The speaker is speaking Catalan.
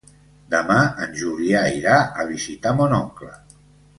Demà en Julià irà a visitar mon oncle.